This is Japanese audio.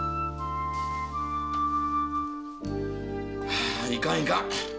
はぁいかんいかん。